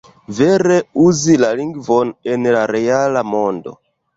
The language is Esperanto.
Vere uzi la lingvon en la reala mondo."